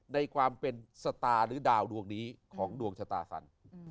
ในความเป็นสตารึ่งดาวดวงนี้ของดวงชาตาซัน